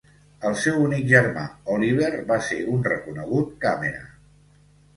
El seu únic germà, Oliver, va ser un reconegut càmera.